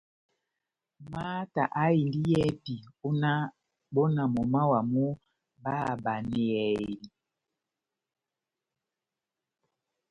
Mata aháhindi yɛ́hɛ́pi ó náh bɔ náh momó wamu báháhabanɛhɛni.